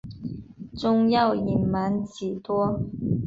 仲要隐瞒几多？